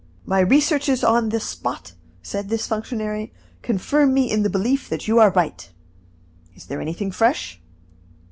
"My researches on the spot," said this functionary, "confirm me in the belief that you are right. Is there anything fresh?"